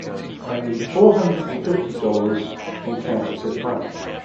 I need four hundred and fifty dollars in counterfeit money.